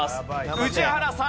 宇治原さん